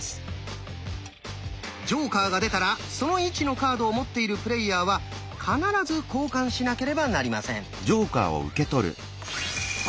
ジョーカーが出たらその位置のカードを持っているプレイヤーは必ず交換しなければなりません。